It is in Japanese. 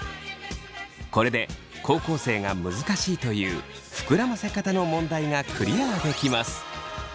これで高校生が難しいという膨らませ方の問題がクリアできます。